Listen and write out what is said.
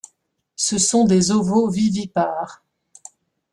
Ce sont des ovovivipares.